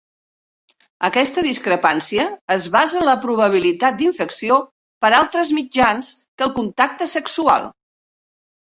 Aquesta discrepància es basa en la probabilitat d'infecció per altres mitjans que el contacte sexual.